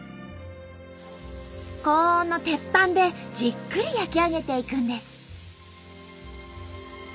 高温の鉄板でじっくり焼き上げていくんです。